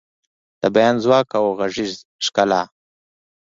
د بیان ځواک او غږیز ښکلا